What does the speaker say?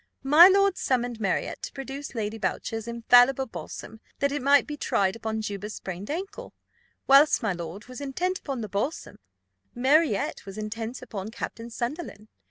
My lord summoned Marriott to produce Lady Boucher's infallible balsam, that it might be tried upon Juba's sprained ankle. Whilst my lord was intent upon the balsam, Marriott was intent upon Captain Sunderland.